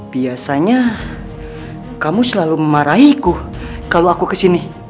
biasanya kamu selalu memarahiku kalau aku ke sini